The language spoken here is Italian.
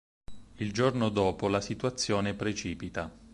Il giorno dopo la situazione precipita.